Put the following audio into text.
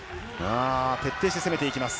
徹底して攻めていきます。